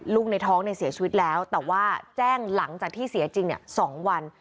ในท้องเนี่ยเสียชีวิตแล้วแต่ว่าแจ้งหลังจากที่เสียจริง๒วัน